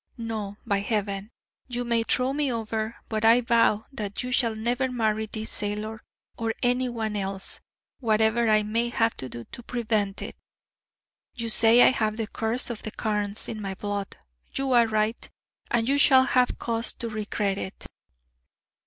No, by Heaven! You may throw me over, but I vow that you shall never marry this sailor, or any one else, whatever I may have to do to prevent it. You say I have the curse of the Carnes in my blood. You are right, and you shall have cause to regret it.'